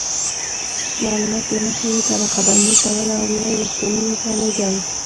معلومات له مخې یې طبقه بندي کول او بیا یې روغتونونو ته لیږل.